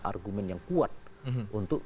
argumen yang kuat untuk